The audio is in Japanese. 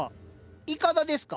いかだですか？